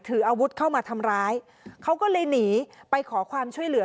ถืออาวุธเข้ามาทำร้ายเขาก็เลยหนีไปขอความช่วยเหลือ